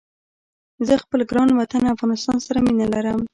زه خپل ګران وطن افغانستان سره مينه ارم